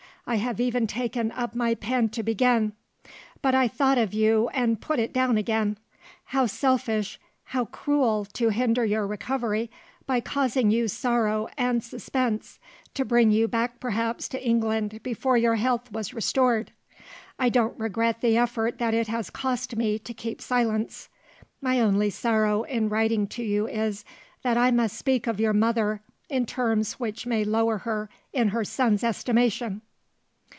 I have even taken up my pen to begin. But I thought of you, and put it down again. How selfish, how cruel, to hinder your recovery by causing you sorrow and suspense to bring you back perhaps to England before your health was restored! I don't regret the effort that it has cost me to keep silence. My only sorrow in writing to you is, that I must speak of your mother in terms which may lower her in her son's estimation."